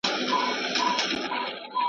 پر دنيا چي خداى كرلي دي قومونه `